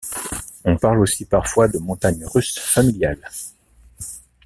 On parle aussi parfois de montagnes russes familiales.